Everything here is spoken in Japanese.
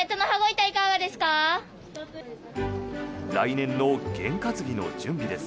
来年のげん担ぎの準備です。